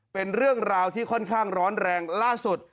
เป็นเรื่องราวที่ค่อนข้างร้อนแรงล่าสุด